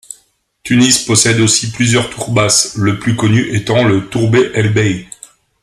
Tunis possède aussi plusieurs tourbas, le plus connu étant le Tourbet El Bey.